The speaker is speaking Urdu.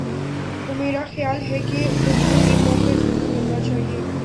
تو میرا خیال ہے کہ انہیں یہ موقع ضرور ملنا چاہیے۔